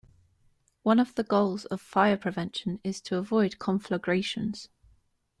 One of the goals of fire prevention is to avoid conflagrations.